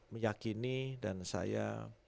meyakini dan saya